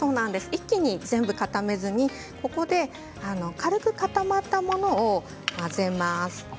一気に固めずに軽く固まったものを混ぜます。